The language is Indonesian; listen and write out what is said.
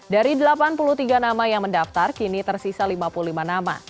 dari delapan puluh tiga nama yang mendaftar kini tersisa lima puluh lima nama